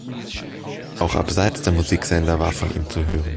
Auch abseits der Musiksender war von ihm zu hören.